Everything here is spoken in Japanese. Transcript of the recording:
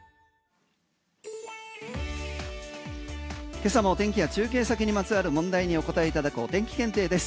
今朝の天気や中継先にまつわる問題にお答えいただくお天気検定です。